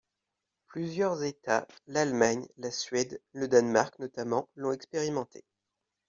Plusieurs États, l’Allemagne, la Suède, le Danemark notamment, l’ont expérimenté.